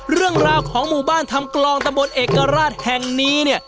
เรื่องราวของหมู่บ้านทำกลองตำบลเอกราชแห่งนี้เนี่ย